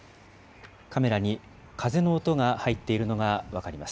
カメラに風の音が入っているのが分かります。